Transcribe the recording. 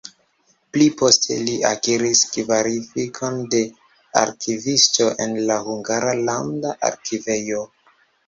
Pli poste li akiris kvalifikon de arkivisto en la Hungara Landa Arkivejo.